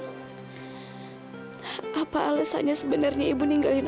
kami jauh hati kalau siapa bakal tripod hari ini